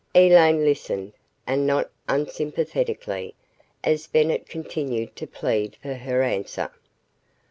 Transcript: Elaine listened, and not unsympathetically, as Bennett continued to plead for her answer.